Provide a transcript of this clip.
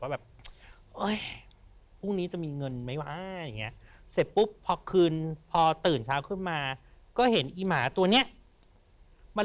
คนนี้จะมีเงินไหมไว้ไงเสมอภาวะคืนพอตื่นเช้าขึ้นมาก็เห็นอีหมาตัวเนี้ยมัน